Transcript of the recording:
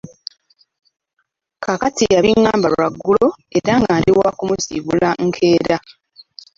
Kaakati yabingamba lwaggulo era nga ndi waakumusiibula nkeera.